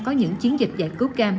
có những chiến dịch giải cứu cam